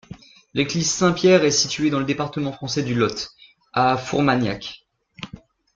L'église Saint-Pierre est située dans le département français du Lot, à Fourmagnac.